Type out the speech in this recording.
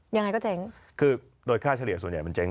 ยังไงก็เจ๊งคือโดยค่าเฉลี่ยส่วนใหญ่มันเจ๊ง